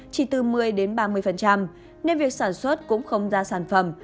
chỉ từ một mươi ba mươi nên việc sản xuất cũng không ra sản phẩm